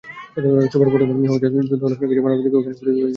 ছবির পটভূমি যুদ্ধ হলেও কিছু মানবিক দিকও এখানে ফুটিয়ে তুলবেন পরিচালক।